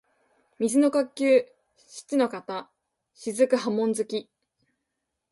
水の呼吸漆ノ型雫波紋突き（しちのかたしずくはもんづき）